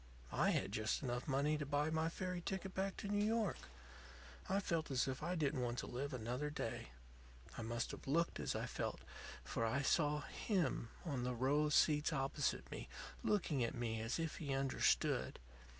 "I had just enough money to buy my ferry ticket back to New York. I felt as if I didn't want to live another day. I must have looked as I felt, for I saw him on the row of seats opposite me, looking at me as if he understood.